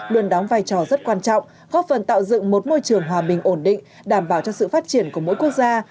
luôn đóng vai trò rất quan trọng góp phần tạo dựng một môi trường hòa bình ổn định đảm bảo cho sự phát triển của mỗi quốc gia